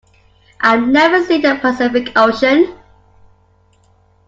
I've never seen the Pacific Ocean.